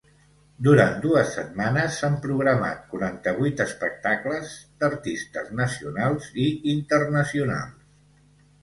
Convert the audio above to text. Durant dues setmanes, s’han programat quaranta-vuit espectacles d’artistes nacionals i internacionals.